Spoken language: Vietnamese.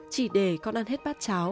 chỉ để con ăn hết bát cháo